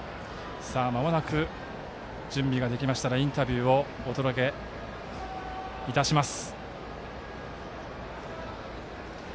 まもなく準備ができましたらインタビューをお届けいたします。